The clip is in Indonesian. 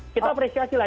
kita apresiasi lah